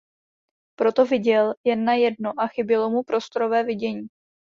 Proto viděl jen na jedno a chybělo mu prostorové vidění.